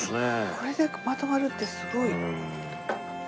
これでまとまるってすごい。